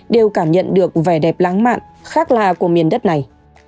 đều cảm nhận được vẻ đẹp lãng mạn khắc là của miền đất này